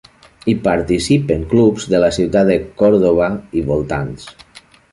Hi participen clubs de la ciutat de Córdoba i voltants.